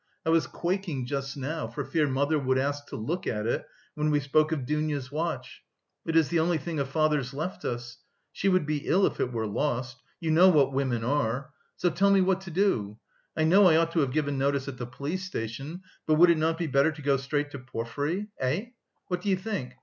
I was quaking just now, for fear mother would ask to look at it, when we spoke of Dounia's watch. It is the only thing of father's left us. She would be ill if it were lost. You know what women are. So tell me what to do. I know I ought to have given notice at the police station, but would it not be better to go straight to Porfiry? Eh? What do you think?